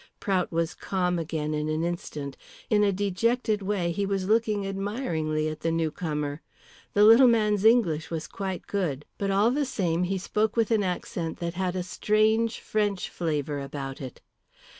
Prout was calm again in an instant. In a dejected way he was looking admiringly at the newcomer. The little man's English was quite good, but all the same he spoke with an accent that had a strange French flavour about it.